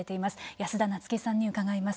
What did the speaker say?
安田菜津紀さんに伺います。